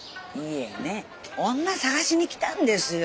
いえね女捜しに来たんですよ。